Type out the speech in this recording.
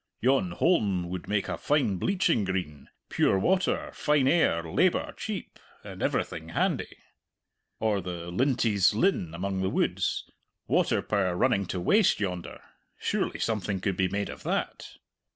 "Yon holm would make a fine bleaching green pure water, fine air, labour cheap, and everything handy. Or the Lintie's Linn among the woods water power running to waste yonder surely something could be made of that."